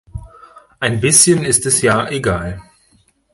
Ein bisschen ist es ja egal.